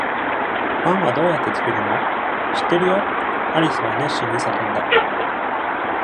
パンはどうやって作るの？「知ってるよ！」アリスは熱心に叫んだ。